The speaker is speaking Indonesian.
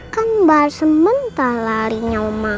kan mbak semen tak larinya omah